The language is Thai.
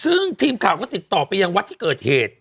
ซึ่งทีมข่าวก็ติดต่อไปยังวัดที่เกิดเหตุ